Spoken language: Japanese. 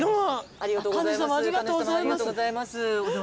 ありがとうございます。